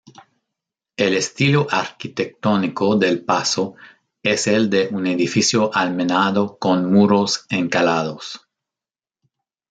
El estilo arquitectónico del pazo es el de un edificio almenado con muros encalados.